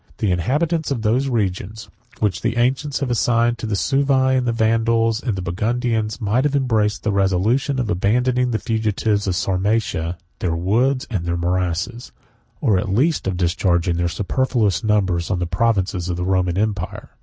65 The inhabitants of those regions, which the ancients have assigned to the Suevi, the Vandals, and the Burgundians, might embrace the resolution of abandoning to the fugitives of Sarmatia their woods and morasses; or at least of discharging their superfluous numbers on the provinces of the Roman empire.